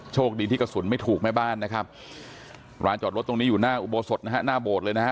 โชคดีที่กระสุนไม่ถูกแม่บ้านนะครับร้านจอดรถตรงนี้อยู่หน้าอุโบสถนะฮะหน้าโบสถ์เลยนะฮะ